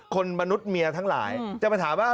คนมนุษย์เมียทั้งหลายจะมาถามว่า